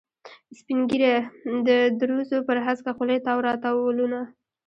سپینه ږیره، د دروزو پر هسکه خولې تاو را تاو ولونه.